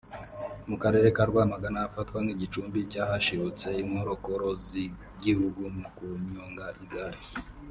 mu Karere ka Rwamagana ahafatwa nk’igicumbi cy’ahashibutse inkorokoro z’igihugu mu kunyonga igare